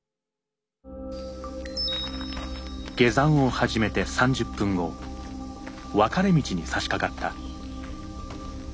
下山を始めて３０分後分かれ道にさしかかった。